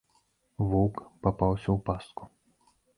Воўк папаўся ў пастку.